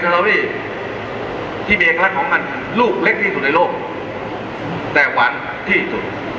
ที่บีแอ๊คเลี่ยนของมันรูปเล็กที่สุดในโลกแต่หวานที่สุด